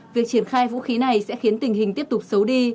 việc triển khai vũ khí này sẽ khiến tình hình tiếp tục xấu đi